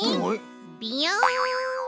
ビヨン！